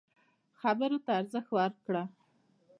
خبرو ته ارزښت ورکړه.